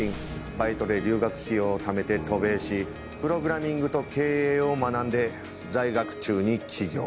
バイトで留学費用をためて渡米しプログラミングと経営を学んで在学中に起業。